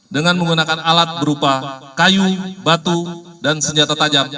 dengan menggunakan alat berupa kayu batu dan senjata tajam